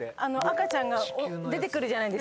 赤ちゃんが出てくるじゃない。